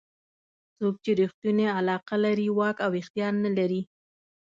څوک چې ریښتونې علاقه لري واک او اختیار نه لري.